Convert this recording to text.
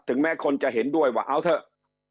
แม้คนจะเห็นด้วยว่าเอาเถอะ